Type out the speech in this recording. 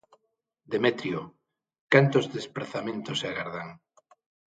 Demetrio, cantos desprazamentos se agardan?